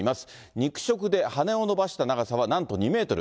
肉食で羽を伸ばした長さはなんと２メートル。